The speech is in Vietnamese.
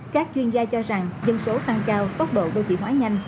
các chuyên gia cho rằng dân số tăng cao tốc độ đô thị hóa nhanh